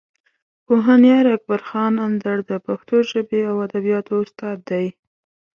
پوهنیار اکبر خان اندړ د پښتو ژبې او ادبیاتو استاد دی.